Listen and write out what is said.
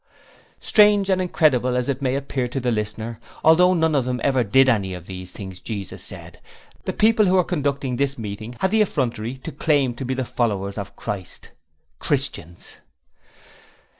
Strange and incredible as it may appear to the reader, although none of them ever did any of the things Jesus said, the people who were conducting this meeting had the effrontery to claim to be followers of Christ Christians!